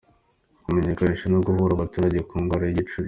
Kumenyekanisha no guhugura abaturage ku ndwara y’igicuri ;.